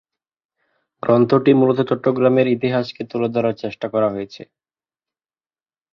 গ্রন্থটি মূলত চট্টগ্রামে ইসলামের ইতিহাসকে তুলে ধরার চেষ্টা করা হয়েছে।